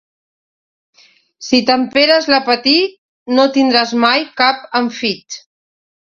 Si temperes l'apetit no tindràs mai cap enfit.